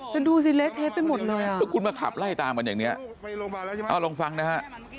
แต่ดูสิเละเทะไปหมดเลยอ่ะแล้วคุณมาขับไล่ตามกันอย่างนี้เอาลองฟังนะฮะ